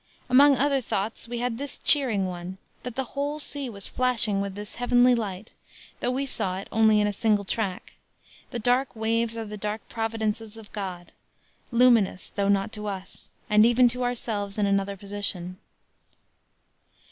Among other thoughts we had this cheering one, that the whole sea was flashing with this heavenly light, though we saw it only in a single track; the dark waves are the dark providences of God; luminous, though not to us; and even to ourselves in another position."